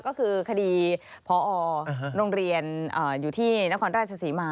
ก็คือคดีพอโรงเรียนอยู่ที่นครราชศรีมา